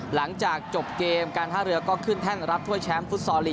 หลังจากจบเกมการท่าเรือก็ขึ้นแท่นรับถ้วยแชมป์ฟุตซอลลีก